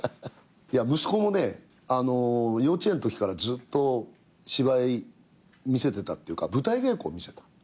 息子も幼稚園のときからずっと芝居見せてたっていうか舞台稽古を見せた。